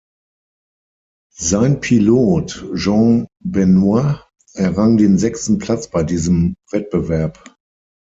Sein Pilot Jean Benoît errang den sechsten Platz bei diesem Wettbewerb.